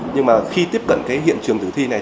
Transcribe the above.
nhưng mà khi tiếp cận cái hiện trường tử thi này